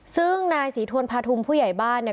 ซึ่งนายศรีทวนพาทุมผู้ใหญ่บ้านเนี่ย